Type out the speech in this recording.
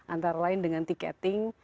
antara lain dengan tiketing